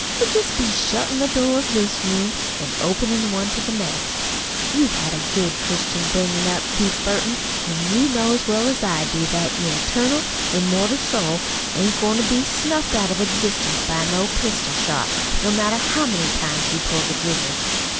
'Twould jest be shuttin' the door of this room an' openin' the one to the next. You've had a good Christian bringin' up, Keith Burton, an' you know as well as I do that your eternal, immoral soul ain't goin' to be snuffled out of existence by no pistol shot, no matter how many times you pull the jigger."